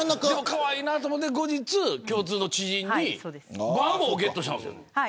かわいいなと思って後日、共通の知人から番号ゲットしたんですよ。